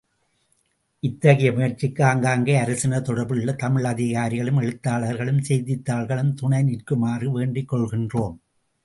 இத்தகைய முயற்சிக்கு ஆங்காங்கே அரசினர் தொடர்புள்ள தமிழ் அதிகாரிகளும் எழுத்தாளர்களும் செய்தித்தாள்களும் துணைநிற்குமாறு வேண்டிக் கொள்கின்றோம்.